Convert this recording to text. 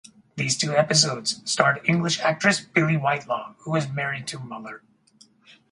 These two episodes starred English actress Billie Whitelaw, who was married to Muller.